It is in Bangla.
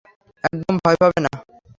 একদম ভয় পাবে না!